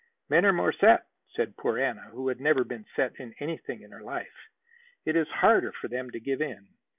"Men are more set," said poor Anna, who had never been set in anything in her life. "It is harder for them to give in.